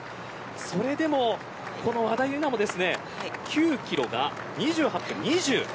それでも、和田も９キロが２８分２０